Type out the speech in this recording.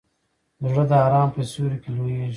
زړه د ارام په سیوري کې لویېږي.